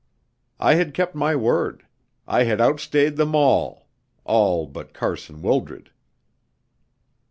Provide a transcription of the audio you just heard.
I had kept my word. I had outstayed them all all but Carson Wildred.